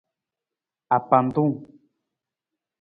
Apantung.